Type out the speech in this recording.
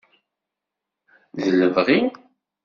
D lebɣi.